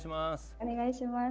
お願いします。